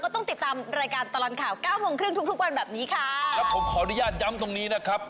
ต้องติดตามรายการตลอดข่าวเก้าโมงครึ่งทุกทุกวันแบบนี้ค่ะแล้วผมขออนุญาตย้ำตรงนี้นะครับ